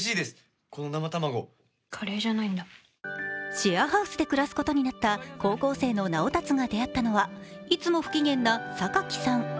シェアハウスで暮らすことになった高校生の直達が出会ったのはいつも不機嫌な榊さん。